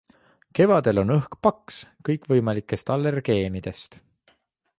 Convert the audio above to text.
Kevadel on õhk paks kõikvõimalikest allergeenidest.